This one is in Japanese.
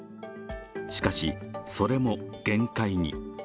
しかし、それも限界に。